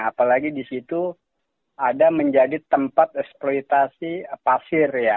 apalagi disitu ada menjadi tempat eksploitasi pasir ya